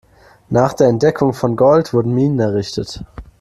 Nach der Entdeckung von Gold wurden Minen errichtet.